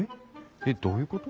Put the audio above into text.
えっどういうこと？